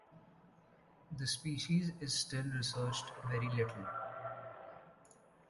The species is still researched very little.